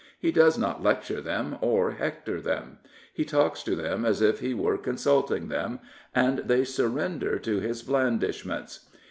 He does not lecture them or hector them. He talks to them as if he were consulting them, and they surrender to his blandishments.